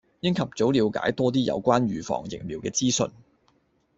應及早暸解多啲有關預防疫苗嘅資訊